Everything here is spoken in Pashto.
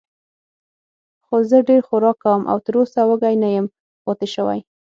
خو زه ډېر خوراک کوم او تراوسه وږی نه یم پاتې شوی.